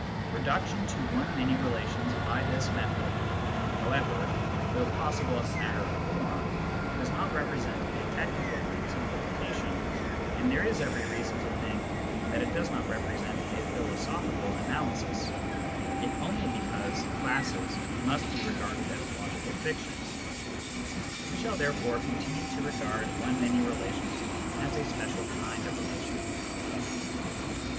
Reduction to one many relations by this method, however, though possible as a matter of form, does not represent a technical simplification, and there is every reason to think that it does not represent a philosophical analysis, if only because classes must be regarded as " logical fictions." We shall there fore continue to regard one many relations as a special kind of relations.